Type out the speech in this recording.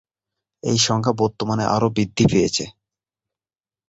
এই সংখ্যা বর্তমানে আরও বৃদ্ধি পেয়েছে।